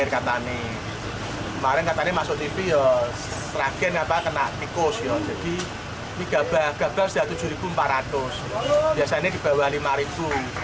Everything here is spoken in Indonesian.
gabah rp tujuh empat ratus biasanya di bawah rp lima